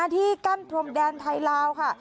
ที่กั้นพรมแดนไทยลาวค่ะ